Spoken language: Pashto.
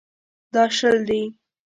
دا شل دي.